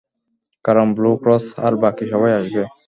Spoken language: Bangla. কারণ ব্লু ক্রস আর বাকি সবাই আসবে।